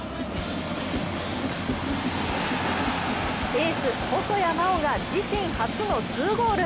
エース・細谷真大が自身初の２ゴール。